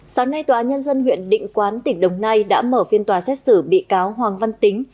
sáng nay tòa nhân dân huyện định quán tỉnh đồng nai đã mở phiên tòa xét xử bị cáo hoàng văn tính